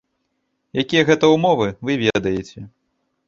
Якія гэта ўмовы, вы ведаеце.